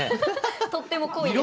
とっても濃いです。